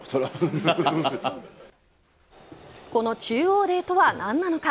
この中央デーとは何なのか。